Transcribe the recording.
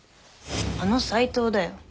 あの斉藤だよ